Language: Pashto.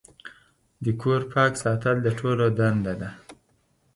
د کور پاک ساتل د ټولو دنده ده.